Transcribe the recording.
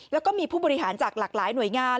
แล้วก็มีผู้บริหารจากหลากหลายหน่วยงาน